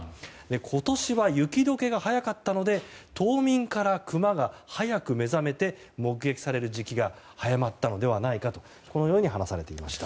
今年は雪解けが早かったので冬眠からクマが早く目覚めて目撃される時期が早まったのではないかと話されていました。